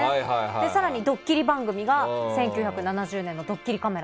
更にドッキリ番組が１９７０年の「どっきりカメラ」。